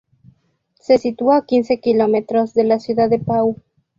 Se sitúa a quince kilómetros de la ciudad de Pau.